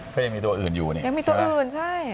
ก็ยังมีตัวอื่นอยู่เนี่ยยังมีตัวอื่นใช่